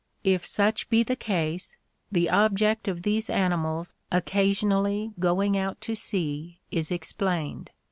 If such be the case, the object of these animals occasionally going out to sea is explained.